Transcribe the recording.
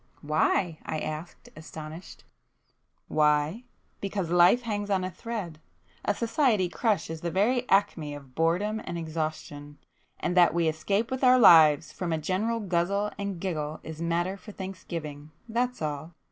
"Why?" I asked, astonished. "Why? Because life hangs on a thread,—a society crush is the very acme of boredom and exhaustion,—and that we escape with our lives from a general guzzle and giggle is matter for thanksgiving,—that's all!